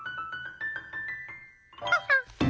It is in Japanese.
ハハッ。